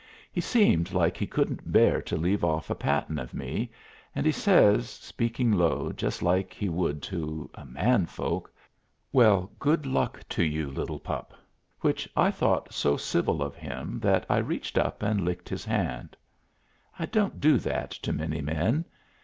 He seemed like he couldn't bear to leave off a patting of me, and he says, speaking low just like he would to a man folk, "Well, good luck to you, little pup," which I thought so civil of him that I reached up and licked his hand. I don't do that to many men.